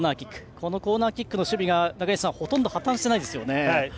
このコーナーキックの守備が中西さん、ほとんど破綻していないですね。